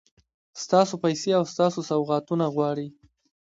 ستاسو پیسې او ستاسو سوغاتونه غواړي.